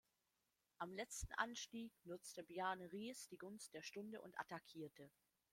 Am letzten Anstieg nutzte Bjarne Riis die Gunst der Stunde und attackierte.